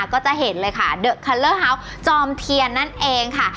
ก็จะเห็นเลยค่ะเดอะคัลเลอร์ฮาวส์จอมเทียนนั่นเองค่ะ